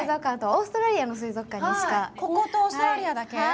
こことオーストラリアだけ？